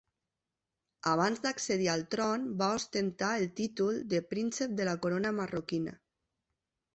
Abans d'accedir al tron, va ostentar el títol de príncep de la Corona marroquina.